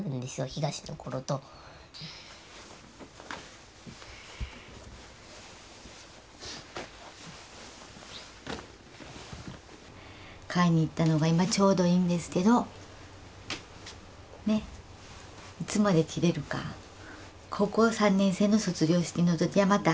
東の頃と買いに行ったのが今ちょうどいいんですけどねっいつまで着れるか高校３年生の卒業式の時はまた